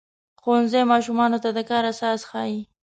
ښوونځی ماشومانو ته د کار اساس ښيي.